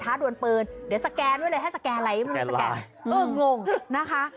ท้าดวนเปิลเดี๋ยวสแกนไว้เลยให้สแกนอะไรเอองงนะคะ